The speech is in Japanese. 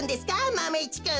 マメ１くん。